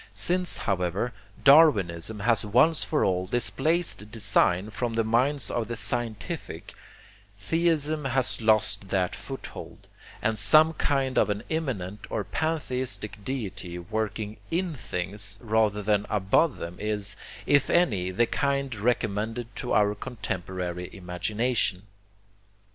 Since, however, darwinism has once for all displaced design from the minds of the 'scientific,' theism has lost that foothold; and some kind of an immanent or pantheistic deity working IN things rather than above them is, if any, the kind recommended to our contemporary imagination.